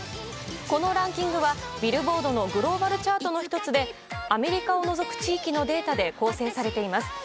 このランキングはビルボードのグローバルチャートの１つでアメリカを除く地域のデータで構成されています。